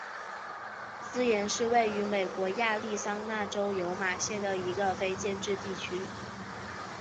斯廷是位于美国亚利桑那州尤马县的一个非建制地区。